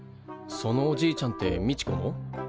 そのおじいちゃんってみちこの？